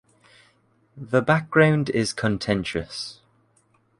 The background is contentious.